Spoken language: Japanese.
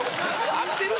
・・合ってる？